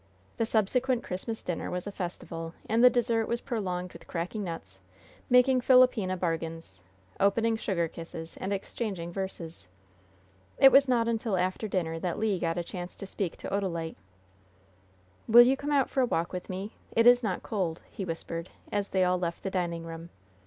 The subsequent Christmas dinner was a festival, and the dessert was prolonged with cracking nuts, making "philopena" bargains, opening sugar kisses and exchanging "verses." It was not until after dinner that Le got a chance to speak to Odalite. "Will you come out for a walk with me? It is not cold," he whispered, as they all left the dining room.